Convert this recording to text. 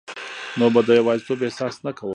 نو به د یوازیتوب احساس نه کوم